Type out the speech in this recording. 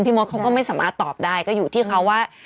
มดเขาก็ไม่สามารถตอบได้ก็อยู่ที่เขาว่า